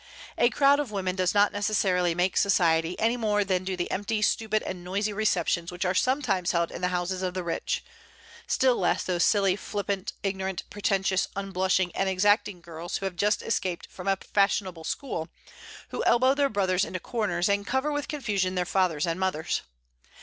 A crowd of women does not necessarily make society, any more than do the empty, stupid, and noisy receptions which are sometimes held in the houses of the rich, still less those silly, flippant, ignorant, pretentious, unblushing, and exacting girls who have just escaped from a fashionable school, who elbow their brothers into corners, and cover with confusion their fathers and mothers.